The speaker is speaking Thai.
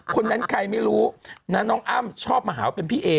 คนนั้นใครไม่รู้นะน้องอ้ำชอบมาหาว่าเป็นพี่เอ